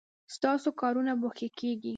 ستاسو کارونه به ښه کیږي